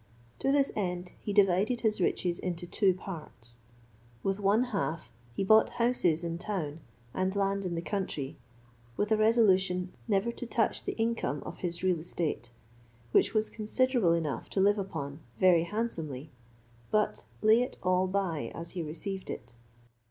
To this end he divided his riches into two parts; with one half he bought houses in town, and land in the country, with a resolution never to touch the income of his real estate, which was considerable enough to live upon .very handsomely, but lay it all by as he received it.